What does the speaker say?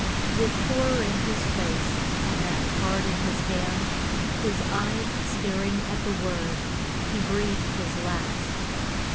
With horror in his face and that card in his hand, his eyes staring at the word, he breathed his last.